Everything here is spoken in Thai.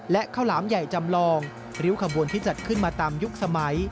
และข้าวหลามใหญ่จำลองริ้วขบวนที่จัดขึ้นมาตามยุคสมัย